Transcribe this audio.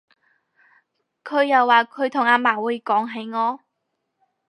佢又話佢同阿嫲會講起我